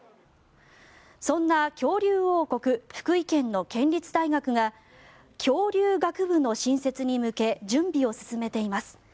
そんな恐竜王国・福井県の県立大学が恐竜学部の新設に向け準備を進めています。